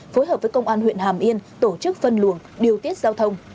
phối hợp với công an huyện hàm yên tổ chức phân luồng điều tiết giao thông